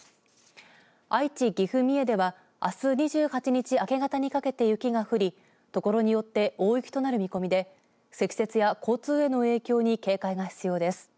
愛知、岐阜、三重ではあす２８日明け方にかけて雪が降りところによって大雪となる見込みで積雪や交通への影響に警戒が必要です。